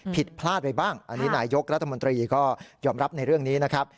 ผิดพลาดไปบ้างอันนี้นายยกรัฐมนตรีก็ยอมรับในเรื่องนี้นะครับ